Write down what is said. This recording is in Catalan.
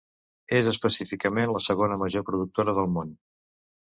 És específicament la segona major productora del món.